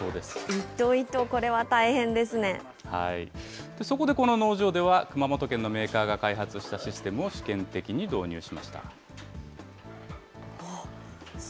一頭、一頭、そこでこの農場では、熊本県のメーカーが開発したシステムを試験的に導入しました。